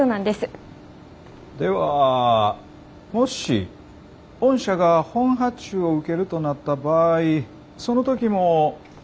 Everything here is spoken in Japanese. ではもし御社が本発注を受けるとなった場合その時も他社に協力を求めると？